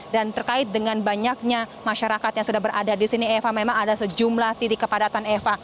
dan terkait dengan banyaknya masyarakat yang sudah berada di sini eva memang ada sejumlah titik kepadatan eva